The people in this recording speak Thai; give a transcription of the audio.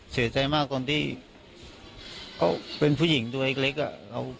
เสียใจมากตอนที่เขาเป็นผู้หญิงตัวเล็กอะ